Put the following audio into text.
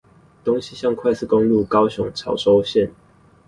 東西向快速公路高雄潮州線